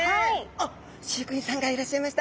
あっ飼育員さんがいらっしゃいました。